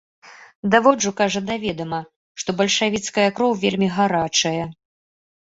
Даводжу, кажа, да ведама, што бальшавіцкая кроў вельмі гарачая.